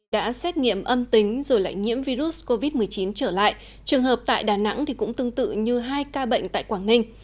đã xét nghiệm âm tính rồi lại nhiễm virus covid một mươi chín trở lại trường hợp tại đà nẵng thì cũng tương tự như hai ca bệnh tại quảng ninh